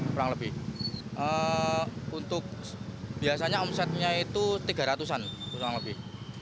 kurang lebih untuk biasanya omsetnya itu tiga ratus an kurang lebih